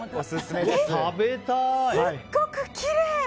すごくきれい！